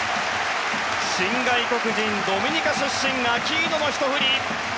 新外国人、ドミニカ出身アキーノのひと振り！